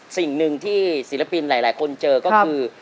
สิ่งหนึ่งที่ศิลปินหลายคนเจอก็คือ